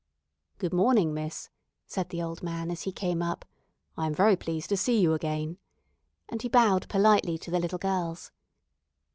"Good morning, miss," said the old man, as he came up. "I am very pleased to see you again," and he bowed politely to the little girls.